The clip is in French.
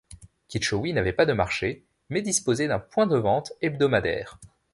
Kitchowi n’avait pas de marché mais disposait d’un point de vente hebdomadaire.